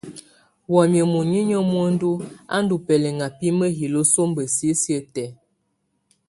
Wamɛ̀á muninyǝ́ á ndù bɛlɛŋa bi mǝjilǝ sɔmba sisiǝ́ tɛ̀á.